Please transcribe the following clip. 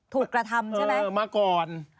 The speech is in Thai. กระทำใช่ไหมเออมาก่อน